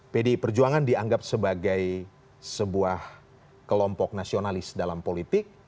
pdi perjuangan dianggap sebagai sebuah kelompok nasionalis dalam politik